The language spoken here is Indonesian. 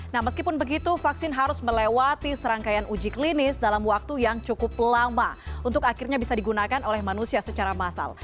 nah meskipun begitu vaksin harus melewati serangkaian uji klinis dalam waktu yang cukup lama untuk akhirnya bisa digunakan oleh manusia secara massal